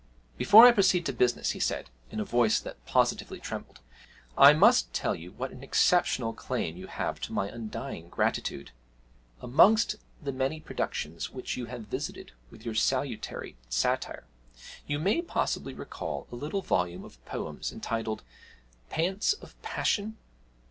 'Before I proceed to business,' he said, in a voice that positively trembled, 'I must tell you what an exceptional claim you have to my undying gratitude. Amongst the many productions which you have visited with your salutary satire you may possibly recall a little volume of poems entitled "Pants of Passion"?'